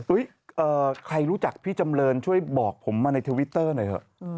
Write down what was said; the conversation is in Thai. ใครรู้จักพี่จำเรินช่วยบอกผมมาในทวิตเตอร์หน่อยเถอะ